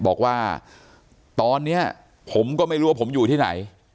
บอกว่าตอนนี้ผมก็ไม่รู้ว่าผมอยู่ที่ไหน